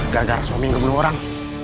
gagal resmi gak bunuh orang